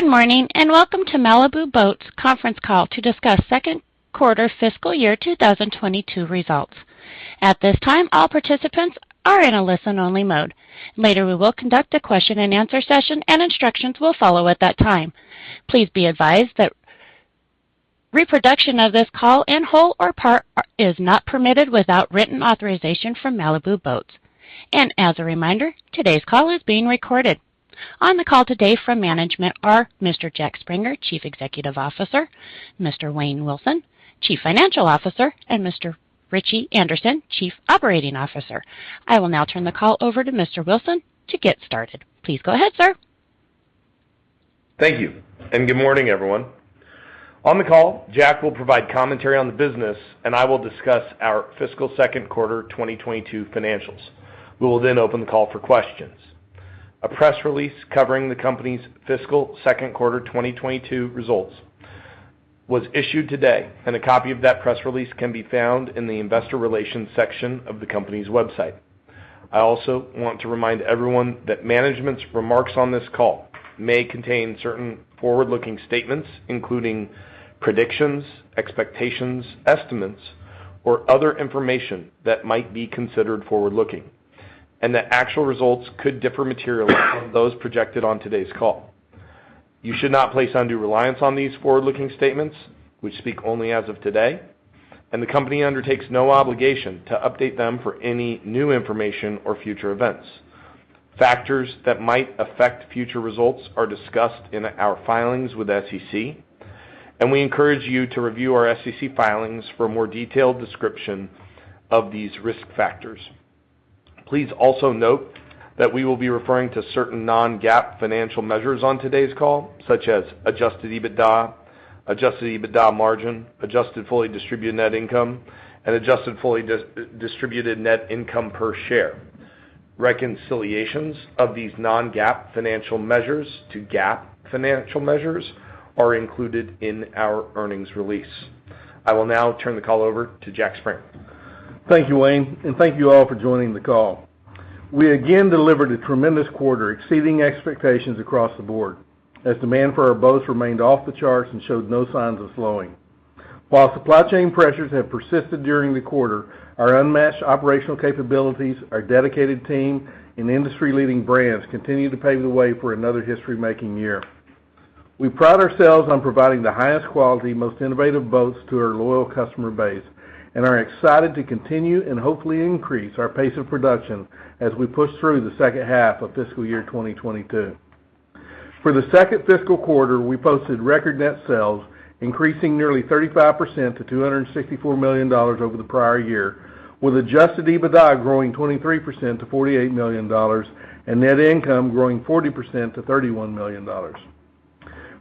Good morning, and welcome to Malibu Boats conference call to discuss Q2 fiscal year 2022 results. At this time, all participants are in a listen-only mode. Later, we will conduct a question-and-answer session, and instructions will follow at that time. Please be advised that reproduction of this call in whole or part is not permitted without written authorization from Malibu Boats. As a reminder, today's call is being recorded. On the call today from management are Mr. Jack Springer, Chief Executive Officer, Mr. Wayne Wilson, Chief Financial Officer, and Mr. Ritchie Anderson, Chief Operating Officer. I will now turn the call over to Mr. Wilson to get started. Please go ahead, sir. Thank you, and good morning, everyone. On the call, Jack will provide commentary on the business, and I will discuss our fiscal Q2 2022 financials. We will then open the call for questions. A press release covering the company's fiscal Q2 2022 results was issued today, and a copy of that press release can be found in the investor relations section of the company's website. I also want to remind everyone that management's remarks on this call may contain certain forward-looking statements, including predictions, expectations, estimates, or other information that might be considered forward-looking, and that actual results could differ materially from those projected on today's call. You should not place undue reliance on these forward-looking statements, which speak only as of today, and the company undertakes no obligation to update them for any new information or future events. Factors that might affect future results are discussed in our filings with SEC, and we encourage you to review our SEC filings for a more detailed description of these risk factors. Please also note that we will be referring to certain non-GAAP financial measures on today's call, such as adjusted EBITDA, adjusted EBITDA margin, adjusted fully distributed net income, and adjusted fully distributed net income per share. Reconciliations of these non-GAAP financial measures to GAAP financial measures are included in our earnings release. I will now turn the call over to Jack Springer. Thank you, Wayne, and thank you all for joining the call. We again delivered a tremendous quarter, exceeding expectations across the board as demand for our boats remained off the charts and showed no signs of slowing. While supply chain pressures have persisted during the quarter, our unmatched operational capabilities, our dedicated team, and industry-leading brands continue to pave the way for another history-making year. We pride ourselves on providing the highest quality, most innovative boats to our loyal customer base and are excited to continue and hopefully increase our pace of production as we push through the second half of fiscal year 2022. For the second fiscal quarter, we posted record net sales, increasing nearly 35% to $264 million over the prior year, with Adjusted EBITDA growing 23% to $48 million and net income growing 40% to $31 million.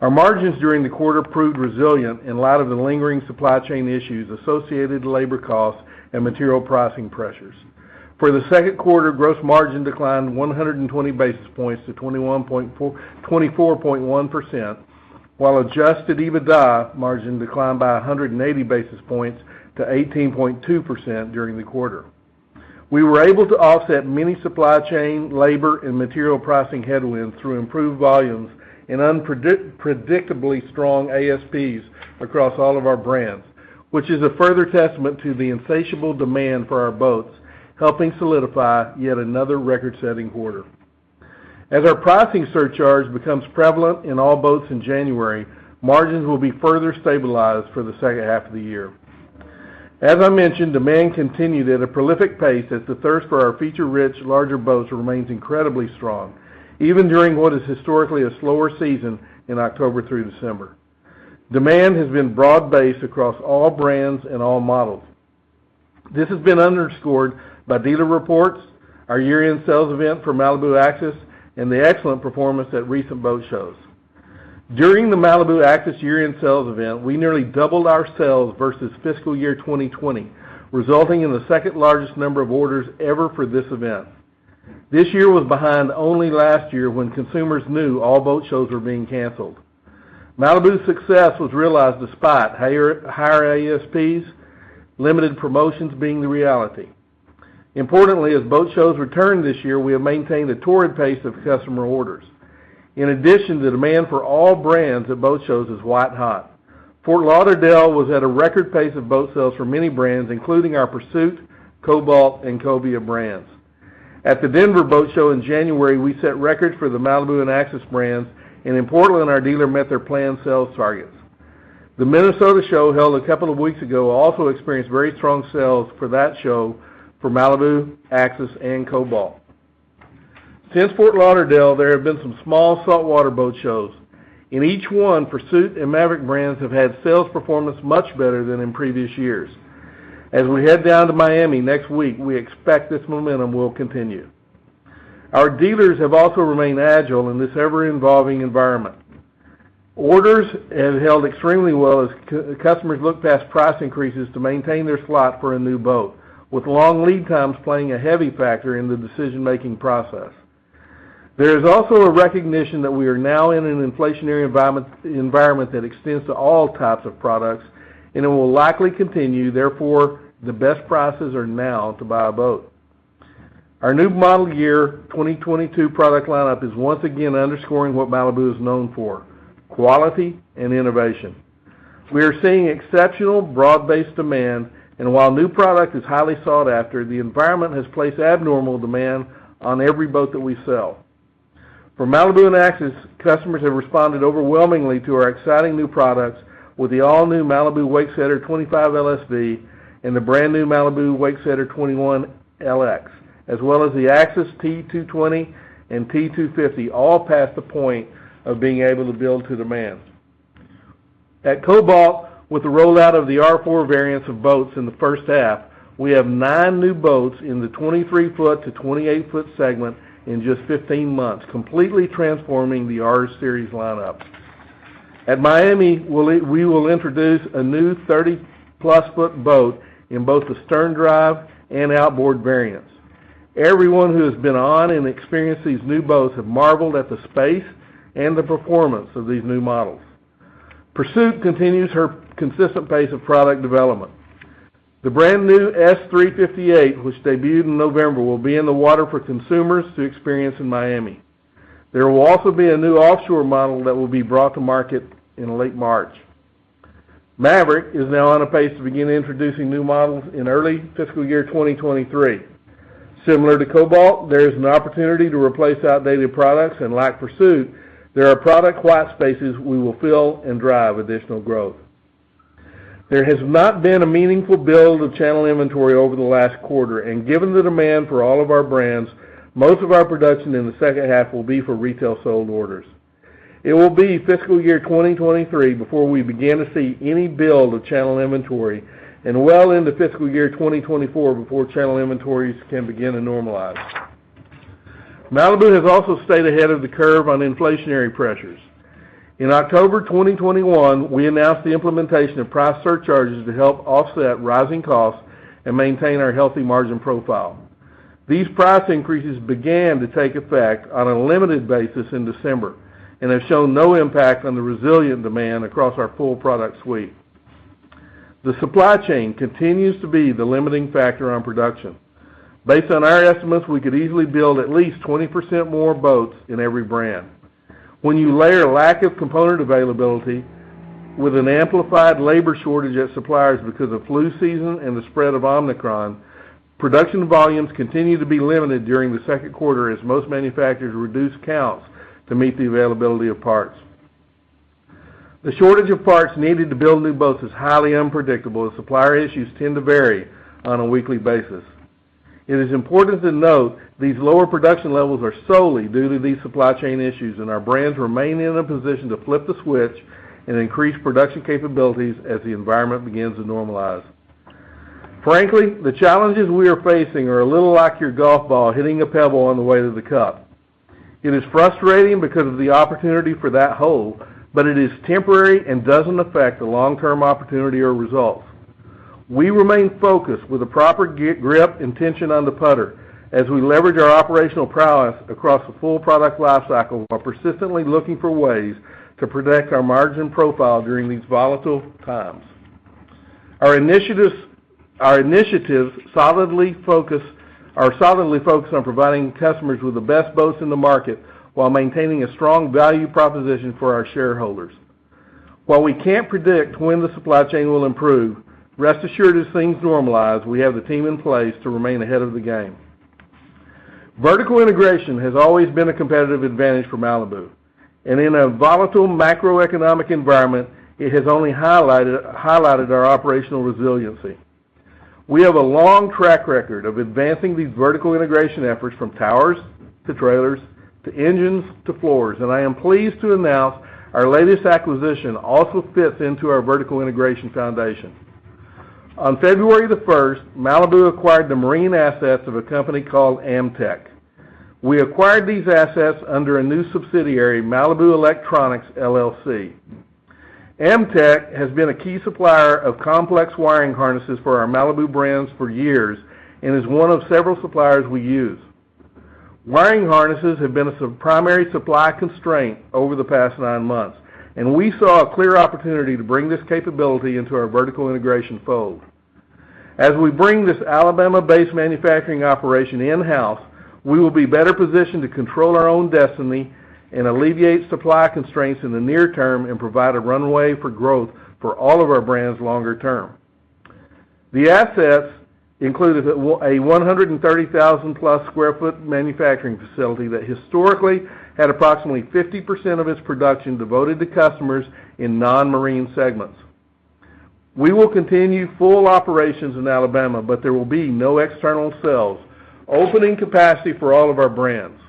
Our margins during the quarter proved resilient in light of the lingering supply chain issues associated with labor costs and material pricing pressures. For the Q2, gross margin declined 120 basis points to 24.1%, while adjusted EBITDA margin declined by 180 basis points to 18.2% during the quarter. We were able to offset many supply chain, labor, and material pricing headwinds through improved volumes and predictably strong ASPs across all of our brands, which is a further testament to the insatiable demand for our boats, helping solidify yet another record-setting quarter. As our pricing surcharge becomes prevalent in all boats in January, margins will be further stabilized for the second half of the year. As I mentioned, demand continued at a prolific pace as the thirst for our feature-rich larger boats remains incredibly strong, even during what is historically a slower season in October through December. Demand has been broad-based across all brands and all models. This has been underscored by dealer reports, our year-end sales event for Malibu Axis, and the excellent performance at recent boat shows. During the Malibu Axis year-end sales event, we nearly doubled our sales versus fiscal year 2020, resulting in the second-largest number of orders ever for this event. This year was behind only last year when consumers knew all boat shows were being canceled. Malibu's success was realized despite higher ASPs, limited promotions being the reality. Importantly, as boat shows return this year, we have maintained a torrid pace of customer orders. In addition, the demand for all brands at boat shows is white-hot. Fort Lauderdale was at a record pace of boat sales for many brands, including our Pursuit, Cobalt, and Cobia brands. At the Denver Boat Show in January, we set records for the Malibu and Axis brands, and in Portland, our dealer met their planned sales targets. The Minnesota show, held a couple of weeks ago, also experienced very strong sales for that show for Malibu, Axis, and Cobalt. Since Fort Lauderdale, there have been some small saltwater boat shows. In each one, Pursuit and Maverick brands have had sales performance much better than in previous years. As we head down to Miami next week, we expect this momentum will continue. Our dealers have also remained agile in this ever-evolving environment. Orders have held extremely well as customers look past price increases to maintain their slot for a new boat, with long lead times playing a heavy factor in the decision-making process. There is also a recognition that we are now in an inflationary environment that extends to all types of products and it will likely continue. Therefore, the best prices are now to buy a boat. Our new model year 2022 product lineup is once again underscoring what Malibu is known for, quality and innovation. We are seeing exceptional broad-based demand, and while new product is highly sought after, the environment has placed abnormal demand on every boat that we sell. For Malibu and Axis, customers have responded overwhelmingly to our exciting new products with the all new Malibu Wakesetter 25 LSV and the brand new Malibu Wakesetter 21 LX, as well as the Axis T220 and T250 all past the point of being able to build to demand. At Cobalt, with the rollout of the R4 variants of boats in the first half, we have nine new boats in the 23-foot to 28-foot segment in just 15 months, completely transforming the R Series lineup. At Maverick, we will introduce a new 30+ foot boat in both the stern drive and outboard variants. Everyone who has been on and experienced these new boats have marveled at the space and the performance of these new models. Pursuit continues her consistent pace of product development. The brand new S 358, which debuted in November, will be in the water for consumers to experience in Miami. There will also be a new offshore model that will be brought to market in late March. Maverick is now on a pace to begin introducing new models in early fiscal year 2023. Similar to Cobalt, there is an opportunity to replace outdated products, and like Pursuit, there are product white spaces we will fill and drive additional growth. There has not been a meaningful build of channel inventory over the last quarter, and given the demand for all of our brands, most of our production in the second half will be for retail sold orders. It will be fiscal year 2023 before we begin to see any build of channel inventory and well into fiscal year 2024 before channel inventories can begin to normalize. Malibu has also stayed ahead of the curve on inflationary pressures. In October 2021, we announced the implementation of price surcharges to help offset rising costs and maintain our healthy margin profile. These price increases began to take effect on a limited basis in December and have shown no impact on the resilient demand across our full product suite. The supply chain continues to be the limiting factor on production. Based on our estimates, we could easily build at least 20% more boats in every brand. When you layer lack of component availability with an amplified labor shortage at suppliers because of flu season and the spread of Omicron, production volumes continue to be limited during the Q2 as most manufacturers reduce counts to meet the availability of parts. The shortage of parts needed to build new boats is highly unpredictable, as supplier issues tend to vary on a weekly basis. It is important to note these lower production levels are solely due to these supply chain issues, and our brands remain in a position to flip the switch and increase production capabilities as the environment begins to normalize. Frankly, the challenges we are facing are a little like your golf ball hitting a pebble on the way to the cup. It is frustrating because of the opportunity for that hole, but it is temporary and doesn't affect the long-term opportunity or results. We remain focused with the proper grip and tension on the putter as we leverage our operational prowess across the full product life cycle while persistently looking for ways to protect our margin profile during these volatile times. Our initiatives are solidly focused on providing customers with the best boats in the market while maintaining a strong value proposition for our shareholders. While we can't predict when the supply chain will improve, rest assured as things normalize, we have the team in place to remain ahead of the game. Vertical integration has always been a competitive advantage for Malibu, and in a volatile macroeconomic environment, it has only highlighted our operational resiliency. We have a long track record of advancing these vertical integration efforts from towers to trailers to engines to floors, and I am pleased to announce our latest acquisition also fits into our vertical integration foundation. On February 1, Malibu acquired the marine assets of a company called Amtech. We acquired these assets under a new subsidiary, Malibu Electronics LLC. Amtech has been a key supplier of complex wiring harnesses for our Malibu brands for years and is one of several suppliers we use. Wiring harnesses have been a primary supply constraint over the past nine months, and we saw a clear opportunity to bring this capability into our vertical integration fold. As we bring this Alabama-based manufacturing operation in-house, we will be better positioned to control our own destiny and alleviate supply constraints in the near term and provide a runway for growth for all of our brands longer term. The assets included a 130,000-plus sq ft manufacturing facility that historically had approximately 50% of its production devoted to customers in non-marine segments. We will continue full operations in Alabama, but there will be no external sales, opening capacity for all of our brands.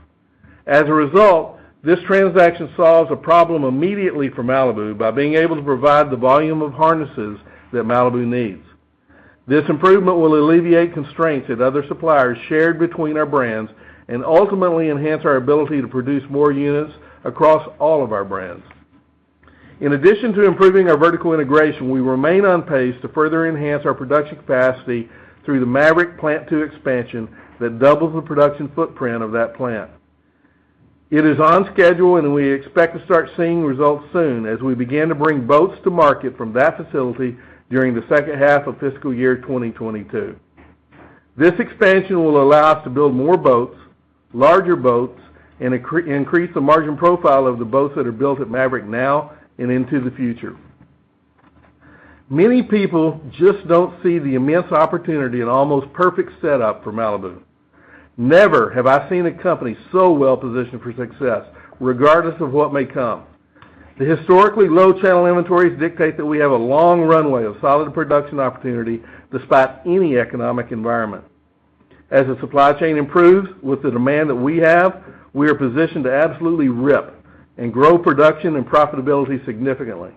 As a result, this transaction solves a problem immediately for Malibu by being able to provide the volume of harnesses that Malibu needs. This improvement will alleviate constraints that other suppliers shared between our brands and ultimately enhance our ability to produce more units across all of our brands. In addition to improving our vertical integration, we remain on pace to further enhance our production capacity through the Maverick Plant Two expansion that doubles the production footprint of that plant. It is on schedule, and we expect to start seeing results soon as we begin to bring boats to market from that facility during the second half of fiscal year 2022. This expansion will allow us to build more boats, larger boats, and increase the margin profile of the boats that are built at Maverick now and into the future. Many people just don't see the immense opportunity and almost perfect setup for Malibu. Never have I seen a company so well-positioned for success, regardless of what may come. The historically low channel inventories dictate that we have a long runway of solid production opportunity despite any economic environment. As the supply chain improves, with the demand that we have, we are positioned to absolutely rip and grow production and profitability significantly.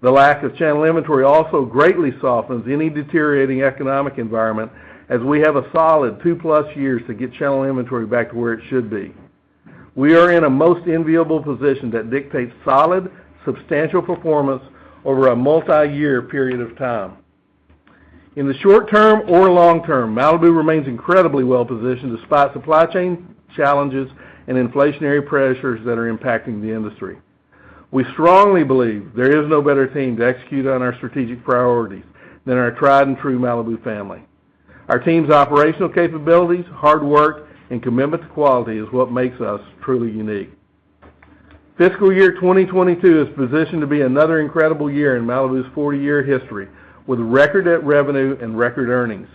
The lack of channel inventory also greatly softens any deteriorating economic environment, as we have a solid two-plus years to get channel inventory back to where it should be. We are in a most enviable position that dictates solid, substantial performance over a multiyear period of time. In the short term or long term, Malibu remains incredibly well-positioned despite supply chain challenges and inflationary pressures that are impacting the industry. We strongly believe there is no better team to execute on our strategic priorities than our tried and true Malibu family. Our team's operational capabilities, hard work, and commitment to quality is what makes us truly unique. Fiscal year 2022 is positioned to be another incredible year in Malibu's 40-year history, with record revenue and record earnings.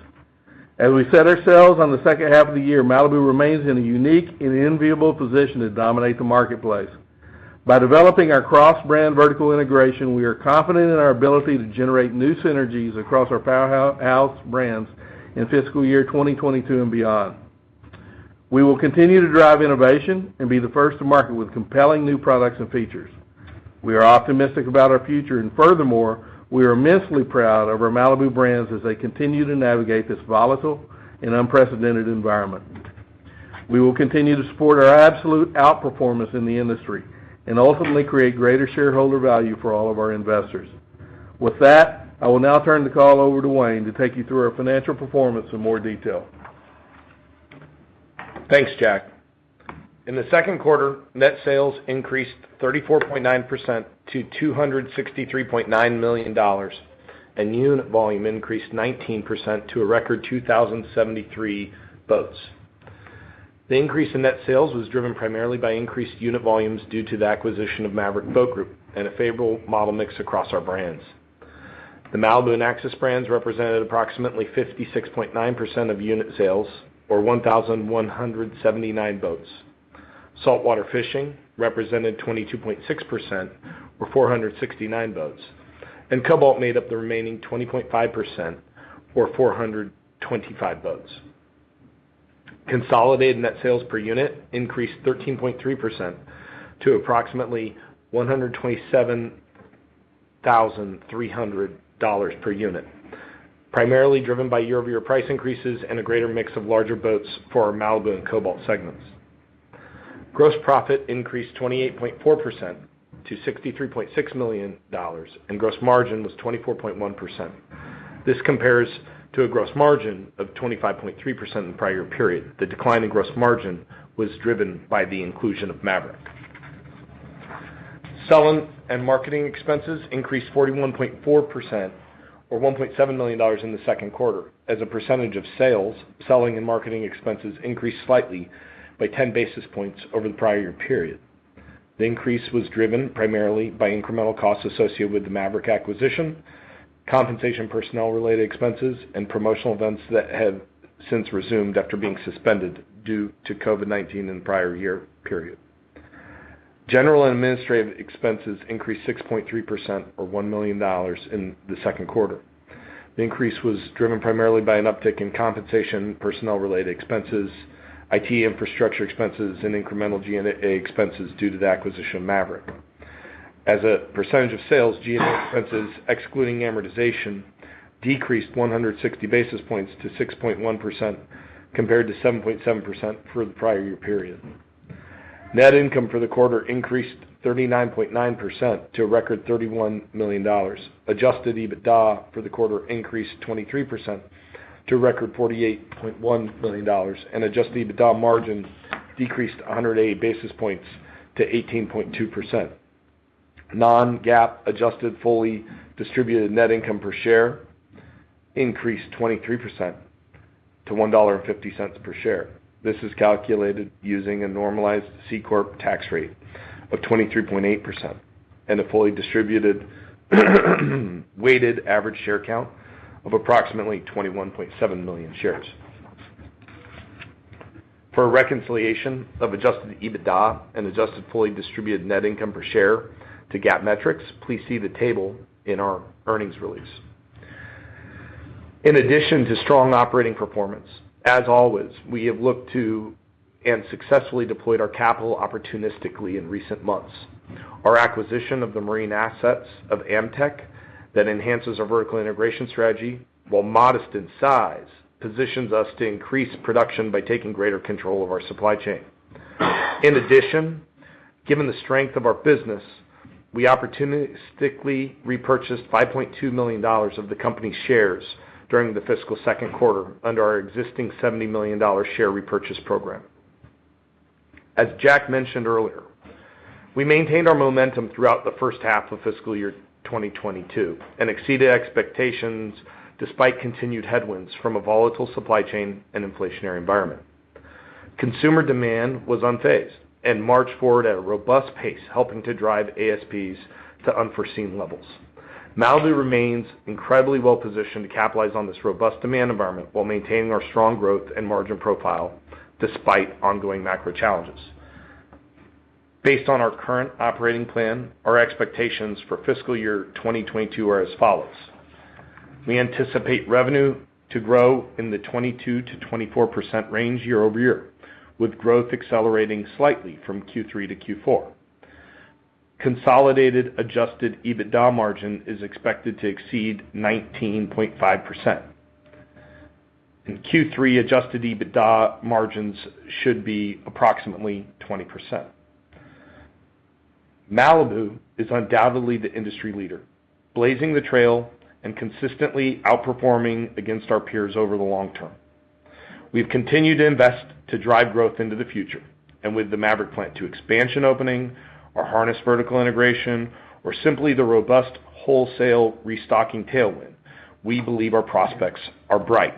As we set ourselves on the second half of the year, Malibu remains in a unique and enviable position to dominate the marketplace. By developing our cross-brand vertical integration, we are confident in our ability to generate new synergies across our powerhouse brands in fiscal year 2022 and beyond. We will continue to drive innovation and be the first to market with compelling new products and features. We are optimistic about our future. Furthermore, we are immensely proud of our Malibu brands as they continue to navigate this volatile and unprecedented environment. We will continue to support our absolute outperformance in the industry and ultimately create greater shareholder value for all of our investors. With that, I will now turn the call over to Wayne to take you through our financial performance in more detail. Thanks, Jack. In the Q2, net sales increased 34.9% to $263.9 million, and unit volume increased 19% to a record 2,073 boats. The increase in net sales was driven primarily by increased unit volumes due to the acquisition of Maverick Boat Group and a favorable model mix across our brands. The Malibu and Axis brands represented approximately 56.9% of unit sales or 1,179 boats. Saltwater Fishing represented 22.6% or 469 boats, and Cobalt made up the remaining 20.5% or 425 boats. Consolidated net sales per unit increased 13.3% to approximately $127,300 per unit, primarily driven by year-over-year price increases and a greater mix of larger boats for our Malibu and Cobalt segments. Gross profit increased 28.4% to $63.6 million, and gross margin was 24.1%. This compares to a gross margin of 25.3% in the prior period. The decline in gross margin was driven by the inclusion of Maverick. Selling and marketing expenses increased 41.4% or $1.7 million in the Q2. As a percentage of sales, selling and marketing expenses increased slightly by 10 basis points over the prior year period. The increase was driven primarily by incremental costs associated with the Maverick acquisition, compensation, personnel-related expenses, and promotional events that have since resumed after being suspended due to COVID-19 in the prior year period. General and administrative expenses increased 6.3% or $1 million in the Q2. The increase was driven primarily by an uptick in compensation, personnel-related expenses, IT infrastructure expenses, and incremental G&A expenses due to the acquisition of Maverick. As a percentage of sales, G&A expenses, excluding amortization, decreased 160 basis points to 6.1% compared to 7.7% for the prior year period. Net income for the quarter increased 39.9% to a record $31 million. Adjusted EBITDA for the quarter increased 23% to a record $48.1 million, and adjusted EBITDA margin decreased 180 basis points to 18.2%. Non-GAAP adjusted fully distributed net income per share increased 23% to $1.50 per share. This is calculated using a normalized C Corp tax rate of 23.8% and a fully distributed weighted average share count of approximately 21.7 million shares. For a reconciliation of adjusted EBITDA and adjusted fully distributed net income per share to GAAP metrics, please see the table in our earnings release. In addition to strong operating performance, as always, we have looked to and successfully deployed our capital opportunistically in recent months. Our acquisition of the marine assets of Amtech that enhances our vertical integration strategy, while modest in size, positions us to increase production by taking greater control of our supply chain. In addition, given the strength of our business, we opportunistically repurchased $5.2 million of the company's shares during the fiscal Q2 under our existing $70 million share repurchase program. As Jack mentioned earlier, we maintained our momentum throughout the first half of fiscal year 2022 and exceeded expectations despite continued headwinds from a volatile supply chain and inflationary environment. Consumer demand was unfazed and marched forward at a robust pace, helping to drive ASPs to unforeseen levels. Malibu remains incredibly well-positioned to capitalize on this robust demand environment while maintaining our strong growth and margin profile despite ongoing macro challenges. Based on our current operating plan, our expectations for fiscal year 2022 are as follows. We anticipate revenue to grow in the 22%-24% range year over year, with growth accelerating slightly from Q3 to Q4. Consolidated adjusted EBITDA margin is expected to exceed 19.5%. In Q3, adjusted EBITDA margins should be approximately 20%. Malibu is undoubtedly the industry leader, blazing the trail and consistently outperforming against our peers over the long term. We've continued to invest to drive growth into the future and with the Maverick plant expansion opening, our harness vertical integration, or simply the robust wholesale restocking tailwind, we believe our prospects are bright.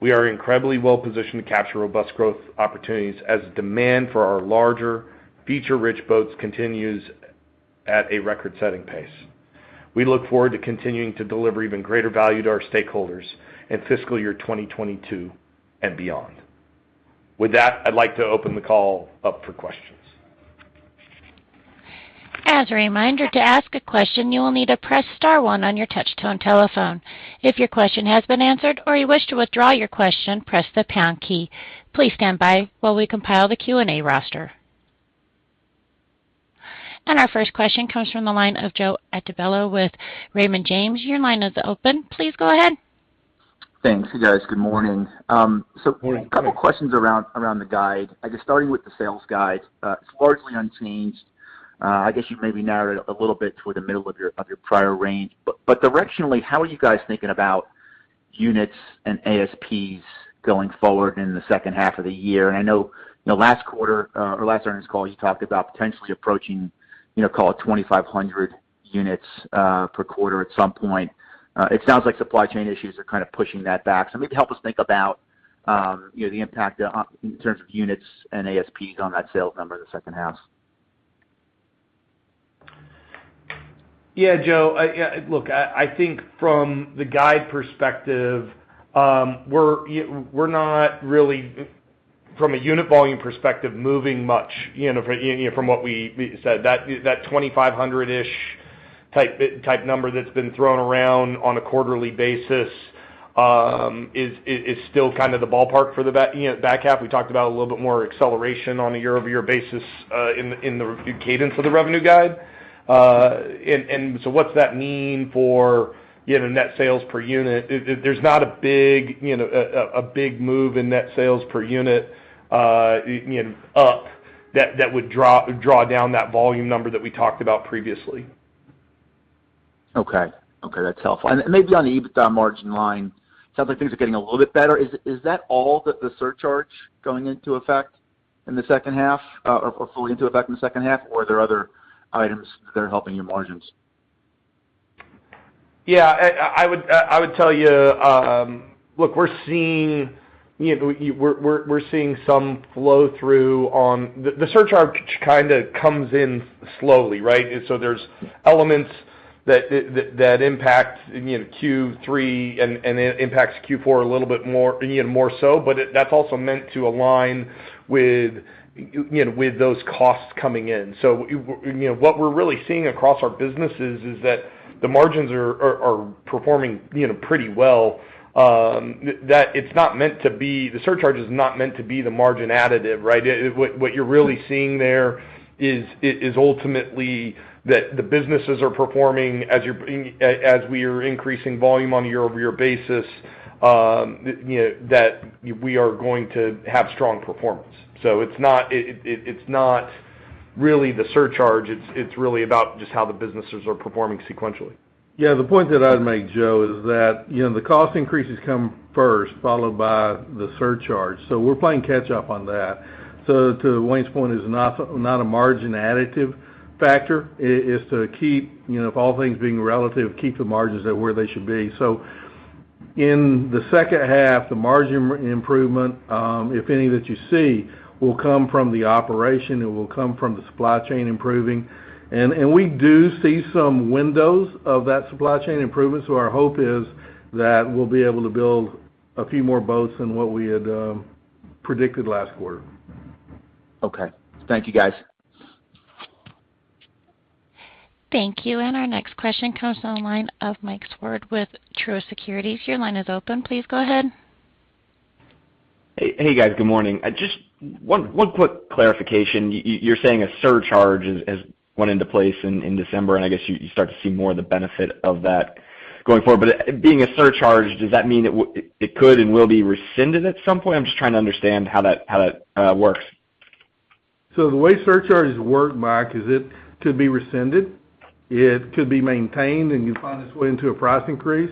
We are incredibly well-positioned to capture robust growth opportunities as demand for our larger feature-rich boats continues at a record-setting pace. We look forward to continuing to deliver even greater value to our stakeholders in fiscal year 2022 and beyond. With that, I'd like to open the call up for questions. As a reminder, to ask a question, you will need to press star one on your touch-tone telephone. If your question has been answered or you wish to withdraw your question, press the pound key. Please stand by while we compile the Q&A roster. Our first question comes from the line of Joe Altobello with Raymond James. Your line is open. Please go ahead. Thanks, you guys. Good morning. A couple of questions around the guide. I guess starting with the sales guide, it's largely unchanged. I guess you maybe narrowed it a little bit toward the middle of your prior range. Directionally, how are you guys thinking about units and ASPs going forward in the second half of the year? I know in the last quarter or last earnings call, you talked about potentially approaching, you know, call it 2,500 units per quarter at some point. It sounds like supply chain issues are kind of pushing that back. Maybe help us think about you know the impact in terms of units and ASPs on that sales number in the second half. Yeah, Joe, look, I think from the guide perspective, we're not really, from a unit volume perspective, moving much, you know, from what we said. That 2,500-ish type number that's been thrown around on a quarterly basis is still kind of the ballpark for the back half. We talked about a little bit more acceleration on a year-over-year basis in the cadence of the revenue guide. So what's that mean for, you know, net sales per unit? There's not a big move in net sales per unit, you know, up that would draw down that volume number that we talked about previously. Okay. Okay, that's helpful. Maybe on the EBITDA margin line, it sounds like things are getting a little bit better. Is that all that the surcharge going into effect in the second half or fully into effect in the second half, or are there other items that are helping your margins? Yeah, I would tell you. Look, we're seeing some flow-through on the surcharge kind of comes in slowly, right? There's elements that impact Q3 and it impacts Q4 a little bit more, more so. That's also meant to align with those costs coming in. You know, what we're really seeing across our businesses is that the margins are performing pretty well. That it's not meant to be the margin additive, right? What you're really seeing there is ultimately that the businesses are performing as we are increasing volume on a year-over-year basis, you know, that we are going to have strong performance. It's not really the surcharge. It's really about just how the businesses are performing sequentially. Yeah. The point that I'd make, Joe, is that, you know, the cost increases come first, followed by the surcharge. We're playing catch up on that. To Wayne's point, it's not a margin additive factor. It is to keep, you know, if all things being relative, keep the margins at where they should be. In the second half, the margin improvement, if any that you see, will come from the operation, it will come from the supply chain improving. We do see some windows of that supply chain improvement, so our hope is that we'll be able to build a few more boats than what we had predicted last quarter. Okay. Thank you, guys. Thank you. Our next question comes on the line of Mike Swartz with Truist Securities. Your line is open. Please go ahead. Hey, guys, good morning. Just one quick clarification. You're saying a surcharge has went into place in December, and I guess you start to see more of the benefit of that. Going forward. Being a surcharge, does that mean it could and will be rescinded at some point? I'm just trying to understand how that works. The way surcharges work, Mike, is it could be rescinded, it could be maintained, and it finds its way into a price increase,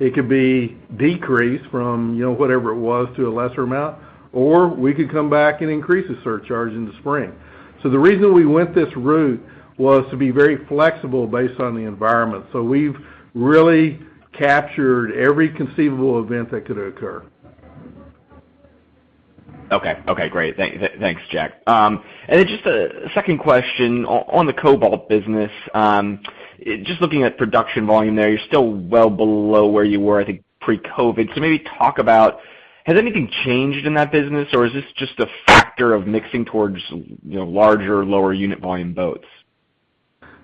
it could be decreased from, you know, whatever it was to a lesser amount, or we could come back and increase the surcharge in the spring. The reason we went this route was to be very flexible based on the environment, so we've really captured every conceivable event that could occur. Okay, great. Thanks, Jack. And then just a second question on the Cobalt business. Just looking at production volume there, you're still well below where you were, I think, pre-COVID. Maybe talk about, has anything changed in that business, or is this just a factor of mixing towards, you know, larger, lower unit volume boats?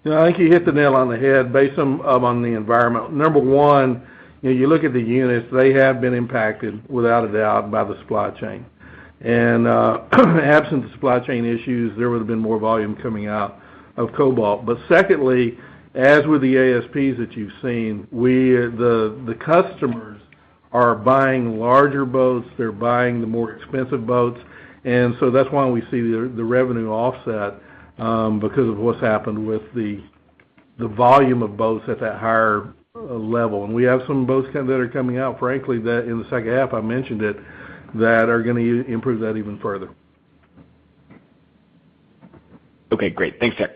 You know, I think you hit the nail on the head based on the environment. Number one, you know, you look at the units, they have been impacted without a doubt by the supply chain. Absent supply chain issues, there would've been more volume coming out of Cobalt. Secondly, as with the ASPs that you've seen, the customers are buying larger boats, they're buying the more expensive boats, and so that's why we see the revenue offset because of what's happened with the volume of boats at that higher level. We have some boats that are coming out, frankly, that in the second half, I mentioned it, that are gonna improve that even further. Okay, great. Thanks, Jack.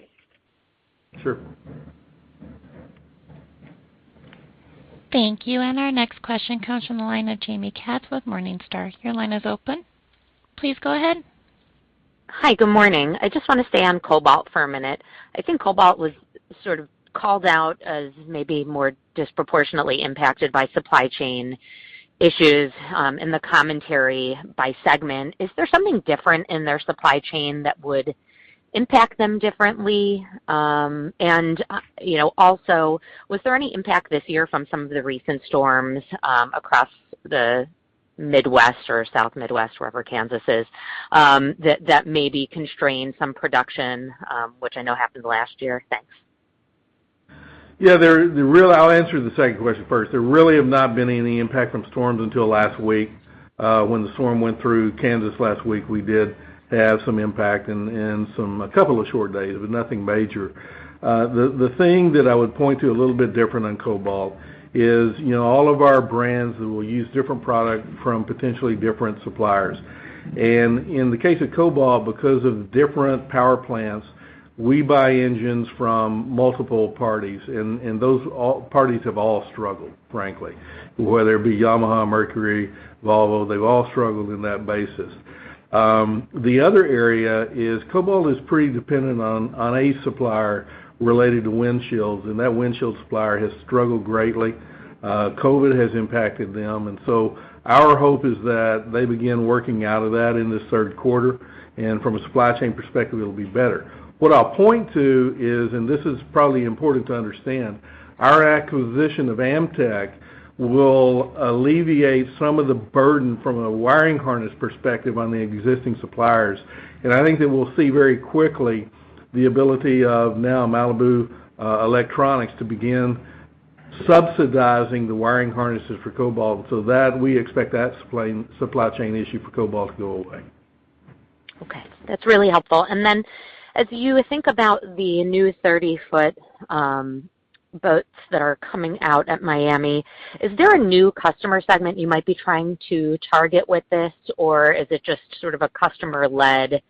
Sure. Thank you. Our next question comes from the line of Jaime Katz with Morningstar. Your line is open. Please go ahead. Hi. Good morning. I just wanna stay on Cobalt for a minute. I think Cobalt was sort of called out as maybe more disproportionately impacted by supply chain issues in the commentary by segment. Is there something different in their supply chain that would impact them differently? You know, also, was there any impact this year from some of the recent storms across the Midwest or South Midwest, wherever Kansas is, that maybe constrained some production, which I know happened last year? Thanks. Yeah. I'll answer the second question first. There really have not been any impact from storms until last week. When the storm went through Kansas last week, we did have some impact and a couple of short days, but nothing major. The thing that I would point to a little bit different on Cobalt is, you know, all of our brands will use different product from potentially different suppliers. In the case of Cobalt, because of different power plants, we buy engines from multiple parties, and those parties have all struggled, frankly, whether it be Yamaha, Mercury, Volvo, they've all struggled on that basis. The other area is Cobalt is pretty dependent on a supplier related to windshields, and that windshield supplier has struggled greatly. COVID has impacted them, and so our hope is that they begin working out of that in this Q3, and from a supply chain perspective, it'll be better. What I'll point to is, and this is probably important to understand, our acquisition of Amtech will alleviate some of the burden from a wiring harness perspective on the existing suppliers. I think that we'll see very quickly the ability of now Malibu Electronics to begin subsidizing the wiring harnesses for Cobalt. That, we expect that supply chain issue for Cobalt to go away. Okay, that's really helpful. As you think about the new 30-foot boats that are coming out at Miami, is there a new customer segment you might be trying to target with this, or is it just sort of a customer-led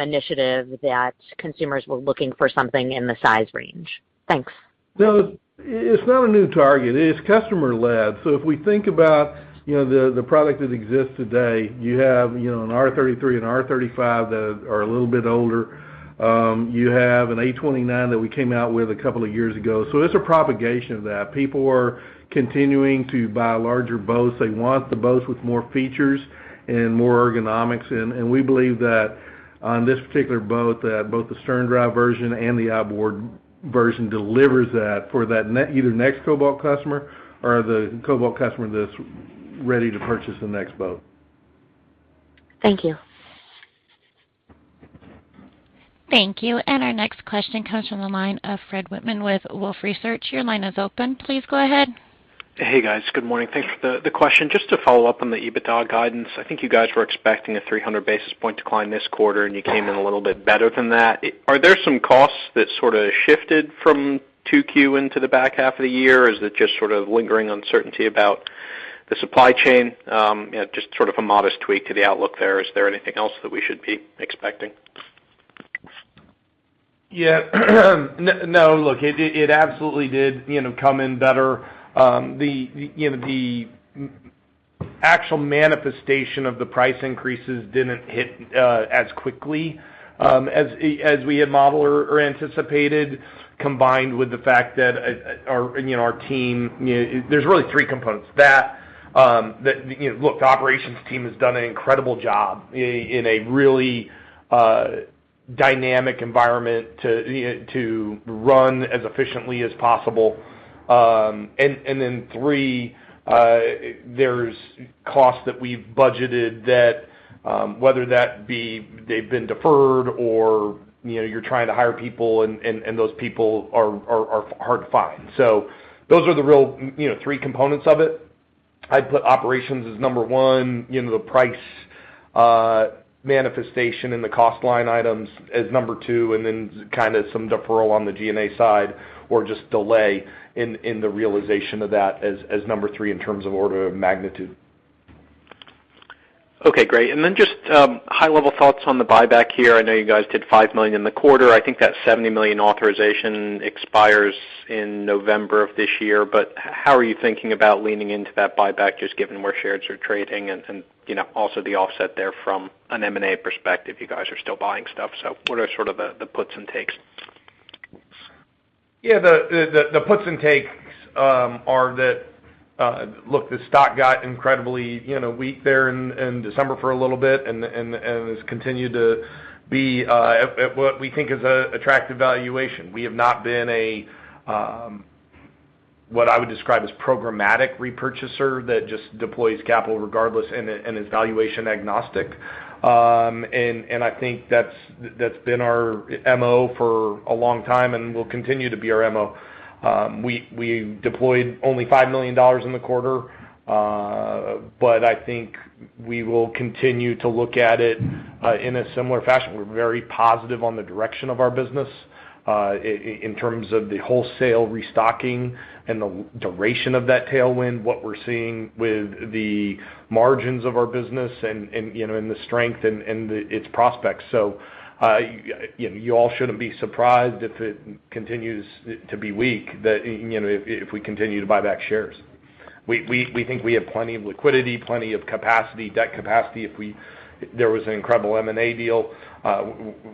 initiative that consumers were looking for something in the size range? Thanks. No, it's not a new target. It's customer-led. If we think about, you know, the product that exists today, you have, you know, an R33, an R35 that are a little bit older. You have an A29 that we came out with a couple of years ago. It's a propagation of that. People are continuing to buy larger boats. They want the boats with more features and more ergonomics. And we believe that on this particular boat, both the sterndrive version and the outboard version delivers that for that either next Cobalt customer or the Cobalt customer that's ready to purchase the next boat. Thank you. Thank you. Our next question comes from the line of Fred Wightman with Wolfe Research. Your line is open. Please go ahead. Hey, guys. Good morning. Thanks for the question. Just to follow up on the EBITDA guidance, I think you guys were expecting a 300 basis points decline this quarter, and you came in a little bit better than that. Are there some costs that sort of shifted from 2Q into the back half of the year, or is it just sort of lingering uncertainty about the supply chain? You know, just sort of a modest tweak to the outlook there. Is there anything else that we should be expecting? Yeah. No, look, it absolutely did, you know, come in better. The actual manifestation of the price increases didn't hit as quickly as we had modeled or anticipated, combined with the fact that our team, you know. There's really three components. The operations team has done an incredible job in a really dynamic environment to run as efficiently as possible. Then three, there's costs that we've budgeted that Whether that be they've been deferred or, you know, you're trying to hire people and those people are hard to find. Those are the real, you know, three components of it. I'd put operations as number one, you know, the price manifestation in the cost line items as number two, and then kind of some deferral on the G&A side or just delay in the realization of that as number three in terms of order of magnitude. Okay, great. Just high level thoughts on the buyback here. I know you guys did $5 million in the quarter. I think that $70 million authorization expires in November of this year. How are you thinking about leaning into that buyback, just given where shares are trading and, you know, also the offset there from an M&A perspective, you guys are still buying stuff. What are sort of the puts and takes? The puts and takes are that look, the stock got incredibly you know weak there in December for a little bit and has continued to be at what we think is a attractive valuation. We have not been a what I would describe as programmatic repurchaser that just deploys capital regardless and is valuation agnostic. I think that's been our MO for a long time and will continue to be our MO. We deployed only $5 million in the quarter, but I think we will continue to look at it in a similar fashion. We're very positive on the direction of our business, in terms of the wholesale restocking and the duration of that tailwind, what we're seeing with the margins of our business and, you know, the strength and its prospects. You know, you all shouldn't be surprised if it continues to be weak, you know, if we continue to buy back shares. We think we have plenty of liquidity, plenty of capacity, debt capacity. If there was an incredible M&A deal,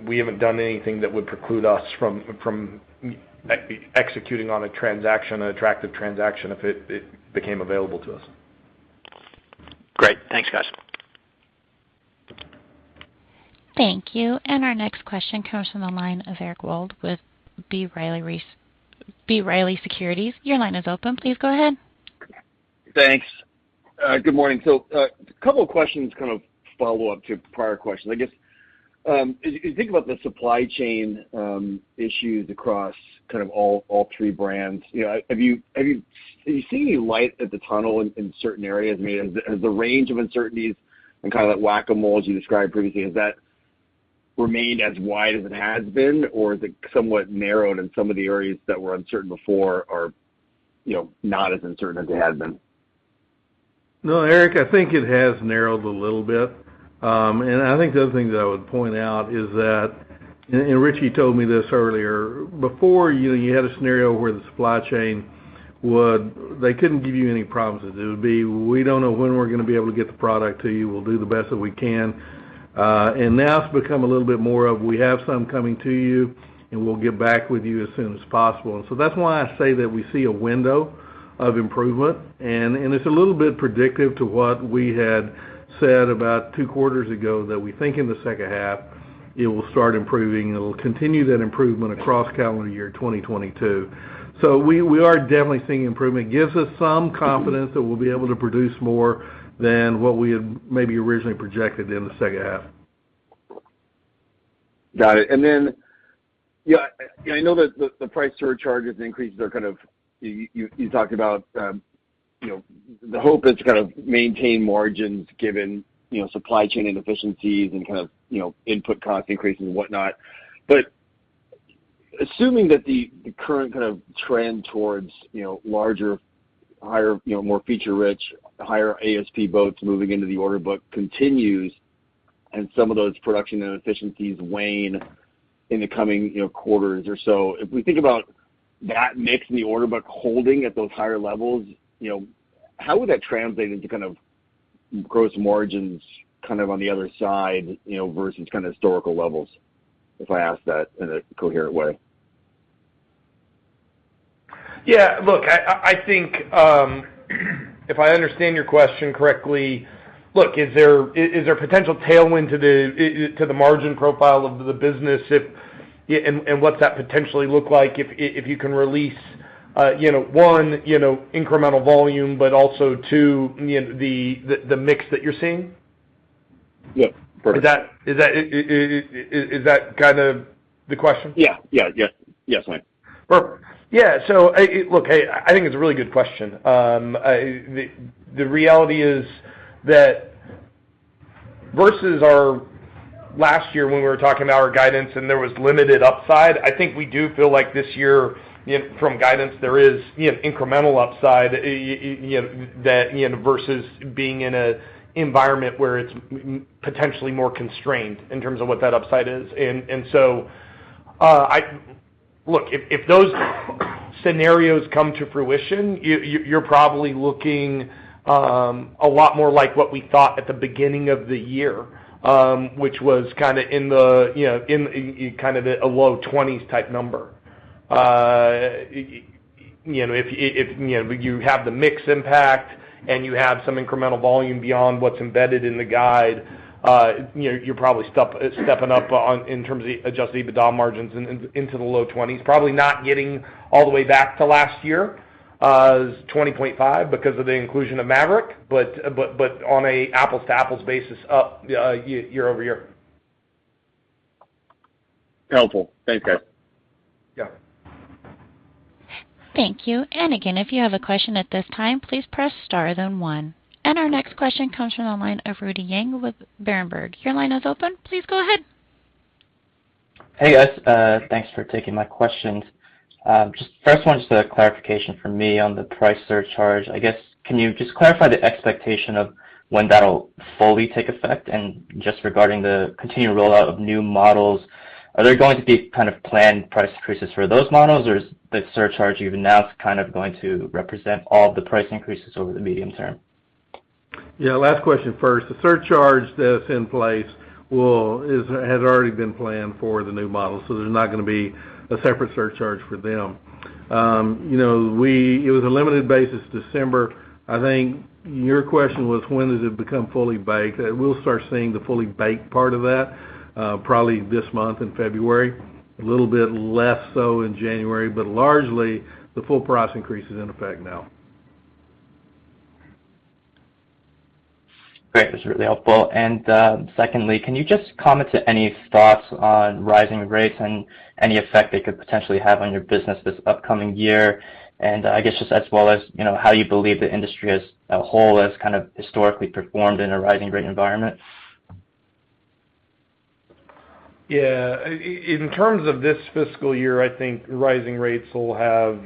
we haven't done anything that would preclude us from executing on a transaction, an attractive transaction if it became available to us. Great. Thanks, guys. Thank you. Our next question comes from the line of Eric Wold with B. Riley Securities. Your line is open. Please go ahead. Thanks. Good morning. A couple of questions kind of follow up to prior questions. I guess, as you think about the supply chain, issues across kind of all three brands, you know, have you seen any light at the end of the tunnel in certain areas? I mean, has the range of uncertainties and kind of that whack-a-mole, as you described previously, remained as wide as it has been, or is it somewhat narrowed and some of the areas that were uncertain before are, you know, not as uncertain as it has been? No, Eric, I think it has narrowed a little bit. I think the other thing that I would point out is that, and Richie told me this earlier, before you had a scenario where the supply chain couldn't give you any promises. It would be, "We don't know when we're gonna be able to get the product to you. We'll do the best that we can." Now it's become a little bit more of, "We have some coming to you, and we'll get back with you as soon as possible." That's why I say that we see a window of improvement, and it's a little bit predictive to what we had said about two quarters ago, that we think in the second half it will start improving. It will continue that improvement across calendar year 2022. We are definitely seeing improvement. Gives us some confidence that we'll be able to produce more than what we had maybe originally projected in the second half. Got it. Yeah, I know that the price surcharges and increases are kind of you talked about, you know, the hope is to kind of maintain margins given, you know, supply chain inefficiencies and kind of, you know, input cost increases and whatnot. Assuming that the current kind of trend towards, you know, larger, higher, you know, more feature-rich, higher ASP boats moving into the order book continues and some of those production inefficiencies wane in the coming, you know, quarters or so, if we think about that mix in the order book holding at those higher levels, you know, how would that translate into kind of gross margins kind of on the other side, you know, versus kind of historical levels? If I ask that in a coherent way. Yeah. Look, I think if I understand your question correctly, look, is there potential tailwind to the margin profile of the business, and what's that potentially look like if you can release, you know, one, you know, incremental volume, but also two, you know, the mix that you're seeing? Yes. Perfect. Is that kind of the question? Yeah. Yes, Wayne. Perfect. Yeah. Look, I think it's a really good question. The reality is that versus our last year when we were talking about our guidance and there was limited upside. I think we do feel like this year, you know, from guidance there is, you know, incremental upside, you know, that you know versus being in an environment where it's potentially more constrained in terms of what that upside is. Look, if those scenarios come to fruition, you're probably looking a lot more like what we thought at the beginning of the year, which was kinda in the, you know, in kind of a low-20s type number. You know, if you know, you have the mix impact and you have some incremental volume beyond what's embedded in the guide, you know, you're probably stepping up in terms of Adjusted EBITDA margins into the low 20s%, probably not getting all the way back to last year. is 20.5% because of the inclusion of Maverick, but on an apples-to-apples basis up year-over-year. Helpful. Thanks, guys. Thank you. Again, if you have a question at this time, please press star then one. Our next question comes from the line of Rudy Yang with Berenberg. Your line is open. Please go ahead. Hey, guys. Thanks for taking my questions. Just first one, just a clarification from me on the price surcharge, I guess. Can you just clarify the expectation of when that'll fully take effect? Just regarding the continued rollout of new models, are there going to be kind of planned price increases for those models, or is the surcharge even now kind of going to represent all the price increases over the medium term? Yeah. Last question first. The surcharge that's in place has already been planned for the new model, so there's not gonna be a separate surcharge for them. You know, it was a limited basis December. I think your question was when does it become fully baked? We'll start seeing the fully baked part of that, probably this month in February, a little bit less so in January. Largely, the full price increase is in effect now. Great. That's really helpful. Secondly, can you just comment on any thoughts on rising rates and any effect they could potentially have on your business this upcoming year? I guess, just as well as, you know, how you believe the industry as a whole has kind of historically performed in a rising rate environment. Yeah. In terms of this fiscal year, I think rising rates will have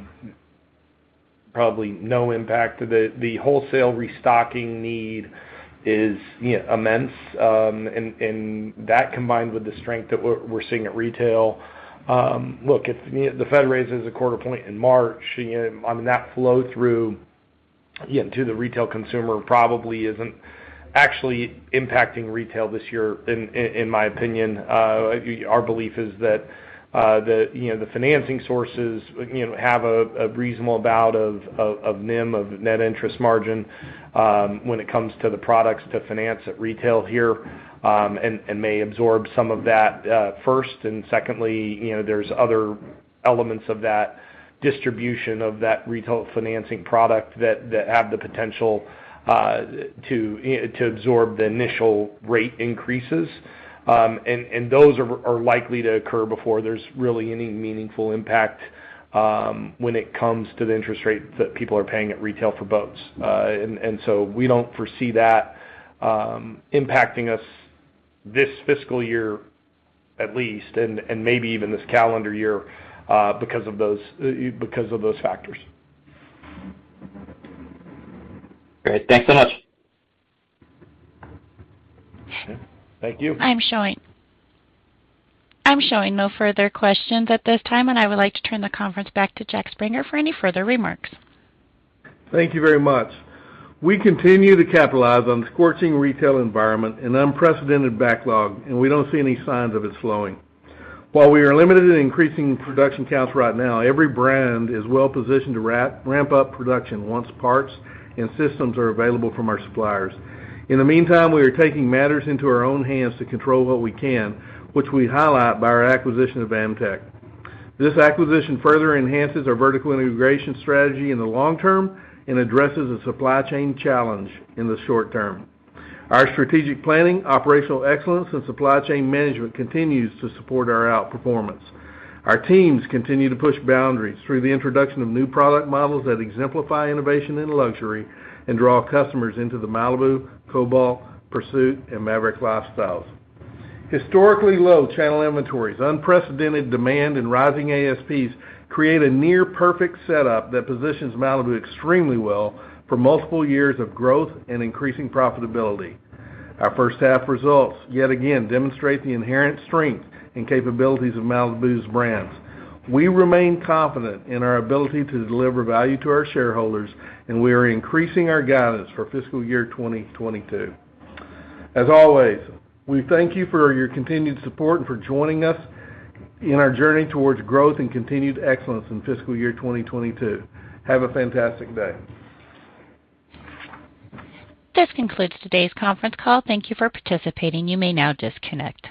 probably no impact. The wholesale restocking need is, you know, immense, and that combined with the strength that we're seeing at retail. Look, if you know, the Fed raises a quarter point in March, you know, I mean, that flow-through, you know, to the retail consumer probably isn't actually impacting retail this year in my opinion. Our belief is that the financing sources have a reasonable bout of NIM, of net interest margin, when it comes to the products to finance at retail here, and may absorb some of that first. Secondly, you know, there's other elements of that distribution of that retail financing product that have the potential to absorb the initial rate increases. Those are likely to occur before there's really any meaningful impact when it comes to the interest rate that people are paying at retail for boats. We don't foresee that impacting us this fiscal year, at least, and maybe even this calendar year because of those factors. Great. Thanks so much. Okay. Thank you. I'm showing no further questions at this time, and I would like to turn the conference back to Jack Springer for any further remarks. Thank you very much. We continue to capitalize on the scorching retail environment and unprecedented backlog, and we don't see any signs of it slowing. While we are limited in increasing production counts right now, every brand is well positioned to ramp up production once parts and systems are available from our suppliers. In the meantime, we are taking matters into our own hands to control what we can, which we highlight by our acquisition of Amtech. This acquisition further enhances our vertical integration strategy in the long term and addresses the supply chain challenge in the short term. Our strategic planning, operational excellence, and supply chain management continues to support our outperformance. Our teams continue to push boundaries through the introduction of new product models that exemplify innovation and luxury and draw customers into the Malibu, Cobalt, Pursuit, and Maverick lifestyles. Historically low channel inventories, unprecedented demand, and rising ASPs create a near-perfect setup that positions Malibu extremely well for multiple years of growth and increasing profitability. Our first half results yet again demonstrate the inherent strength and capabilities of Malibu's brands. We remain confident in our ability to deliver value to our shareholders, and we are increasing our guidance for fiscal year 2022. As always, we thank you for your continued support and for joining us in our journey towards growth and continued excellence in fiscal year 2022. Have a fantastic day. This concludes today's conference call. Thank you for participating. You may now disconnect.